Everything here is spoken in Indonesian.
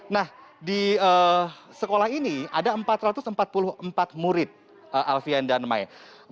nah di sekolah ini ada empat ratus empat puluh empat murid alfian dan mai